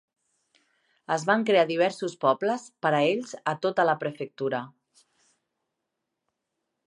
Es van crear diversos pobles per a ells a tota la prefectura.